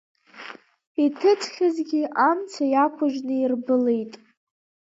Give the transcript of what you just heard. Иҭыҵхьазгьы амца иақәыжьны ирблит.